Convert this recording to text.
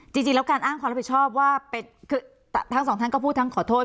จริงแล้วการอ้างความรับผิดชอบว่าคือทั้งสองท่านก็พูดทั้งขอโทษ